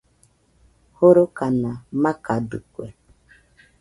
Jorokana makadɨkue